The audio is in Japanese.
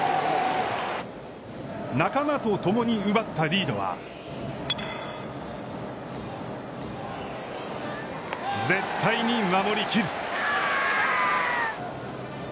仲間とともに奪ったリードは絶対に守り切る。